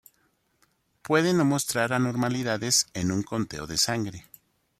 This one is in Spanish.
Puede no mostrar anormalidades en un conteo de sangre.